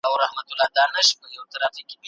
فکري وده ټولنه له سياسي فقره خلاصوي.